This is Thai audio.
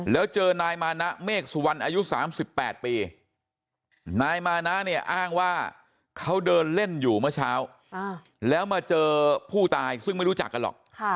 แล้วเจอนายมานะเมฆสุวรรณอายุ๓๘ปีนายมานะเนี่ยอ้างว่าเขาเดินเล่นอยู่เมื่อเช้าแล้วมาเจอผู้ตายซึ่งไม่รู้จักกันหรอก